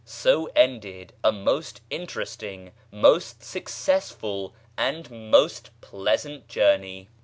So ended a most interesting, most successful, and most pleasant journey.